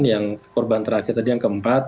jadi ini adalah satu korban terakhir tadi yang keempat